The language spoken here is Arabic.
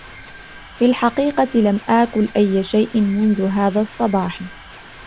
في الحقيقة لم آكل أي شيء منذ هذا الصباح.